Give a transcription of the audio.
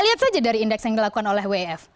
lihat saja dari indeks yang dilakukan oleh wf